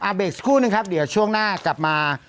เบรกสักครู่นึงครับเดี๋ยวช่วงหน้ากลับมา